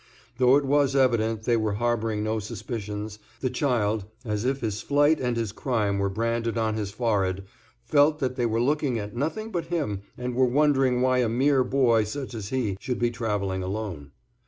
Though it was evident they were harboring no suspicions, the child, as if his flight and his crime were branded on his forehead, felt that they were looking at nothing but him and were wondering why a mere boy such as he should be travelling alone.